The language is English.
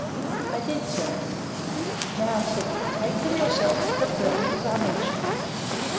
—I did so. Now, said he, take them yourself, for the purposes I mentioned.